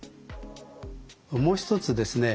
もう一つですね